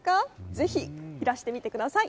ぜひいらしてみてください。